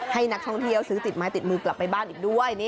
ให้นักท่องเที่ยวซื้อติดไม้ติดมือกลับไปบ้านอีกด้วย